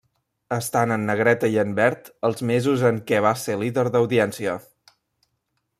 Estan en negreta i en verd els mesos en què va ser líder d'audiència.